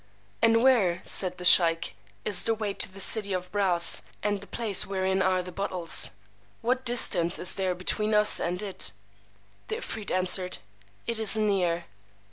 And where, said the sheykh, is the way to the City of Brass, and the place wherein are the bottles? What distance is there between us and it? The 'Efreet answered, It is near.